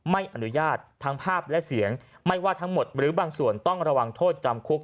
ไม่อนุญาตทั้งภาพและเสียงไม่ว่าทั้งหมดหรือบางส่วนต้องระวังโทษจำคุก